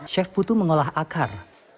chef putu mengolah akar